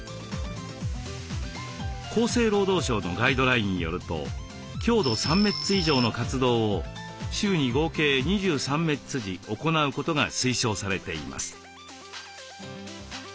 厚生労働省のガイドラインによると強度３メッツ以上の活動を週に合計２３メッツ時行うことが推奨されています。